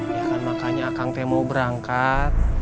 ya kan makanya kang te mau berangkat